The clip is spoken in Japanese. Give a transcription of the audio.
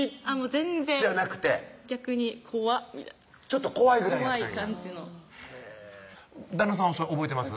全然逆に怖っみたいなちょっと怖いぐらいやったんやへぇ旦那さんはそれ覚えてます？